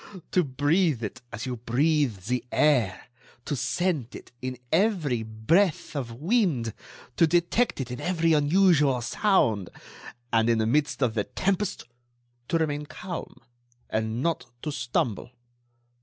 To breathe it as you breathe the air, to scent it in every breath of wind, to detect it in every unusual sound.... And, in the midst of the tempest, to remain calm ... and not to stumble!